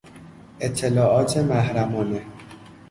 اطلاعات محرمانه